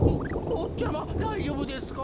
ぼっちゃまだいじょうぶですか？